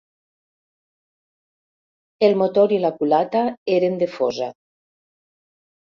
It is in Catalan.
El motor i la culata eren de fosa.